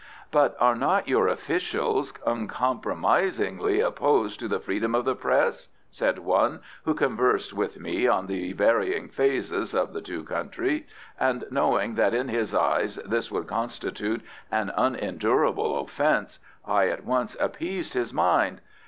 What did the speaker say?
"But are not your officials uncompromisingly opposed to the freedom of the Press?" said one who conversed with me on the varying phases of the two countries, and knowing that in his eyes this would constitute an unendurable offence, I at once appeased his mind.